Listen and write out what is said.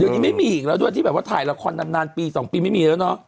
เดี๋ยวนี้ไม่มีอีกแล้วด้วยที่แบบว่าถ่ายละครนานปี๒ปีไม่มีแล้วเนอะ